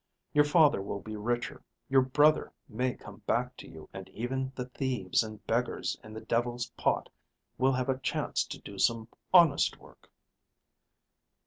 Your father will be richer. Your brother may come back to you, and even the thieves and beggars in the Devil's Pot will have a chance to do some honest work."